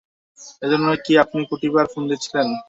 এজন্যই কি আপনি কোটিবার ফোন দিচ্ছিলেন?